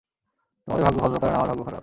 তোমাদের ভাগ্য ভালো, কারণ আমার ভাগ্য খারাপ।